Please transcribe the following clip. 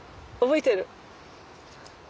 覚えてる？